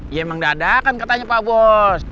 ya emang dadakan katanya pak bos